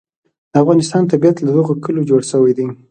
د افغانستان طبیعت له دغو کلیو جوړ شوی دی.